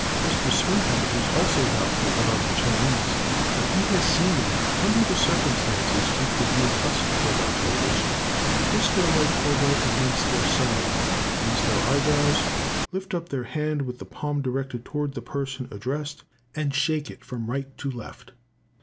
Mr. Swinhoe is also doubtful about the Chinese; but he has seen them, under the circumstances which would make us shrug our shoulders, press their right elbow against their side, raise their eyebrows, lift up their hand with the palm directed towards the person addressed, and shake it from right to left.